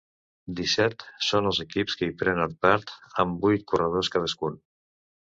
Disset són els equips que hi prenen part, amb vuit corredors cadascun.